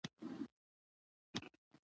بانجڼ په افغاني کلتور کښي یو خوندور خواړه دي.